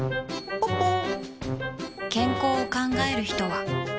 ポッポー。